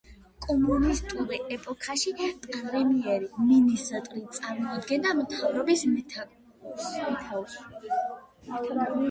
კომუნისტურ ეპოქაში პრემიერ-მინისტრი წარმოადგენდა მთავრობის მეთაურს.